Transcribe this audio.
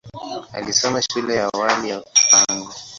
Alisoma shule ya awali ya Upanga.